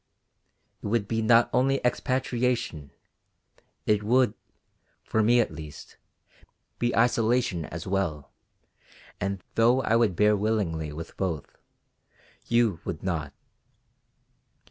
It would be not only expatriation; it would, for me at least, be isolation as well, and, though I would bear willingly with both, you would not.